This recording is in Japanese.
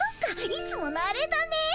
いつものアレだね。